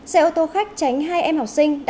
xe ô tô khách tránh hai em học sinh